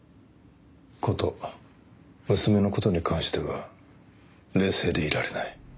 こと娘の事に関しては冷静でいられない。